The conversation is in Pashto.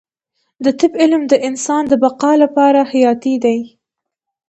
د طب علم د انسان د بقا لپاره حیاتي دی